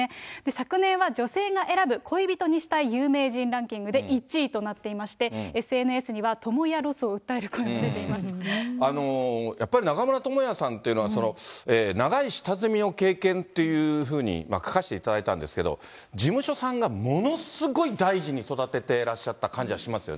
昨年は女性が選ぶ恋人にしたい有名人ランキングで１位となっていまして、ＳＮＳには、やっぱり中村倫也さんっていうのは、長い下積みを経験っていうふうに書かせていただいたんですけど、事務所さんがものすごい大事に育ててらっしゃった感じはしますよ